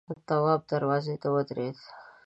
تواب دروازې ته ودرېد.